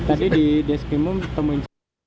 tadi di deskrimu temuin